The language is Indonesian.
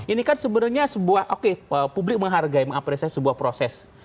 ini kan sebenarnya sebuah oke publik menghargai mengapresiasi sebuah proses